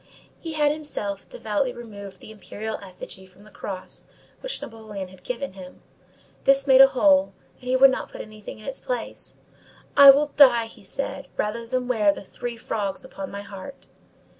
He had himself devoutly removed the imperial effigy from the cross which Napoleon had given him; this made a hole, and he would not put anything in its place. "I will die," he said, _"rather than wear the three frogs upon my heart!"